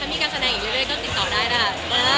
ถ้ามีกันแสดงอีกตัวอื่นเตอร์สิ่งถูกตอบได้แล้ว